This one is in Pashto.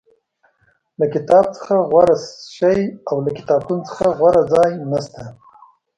له کتاب څخه غوره شی او له کتابتون څخه غوره ځای نشته.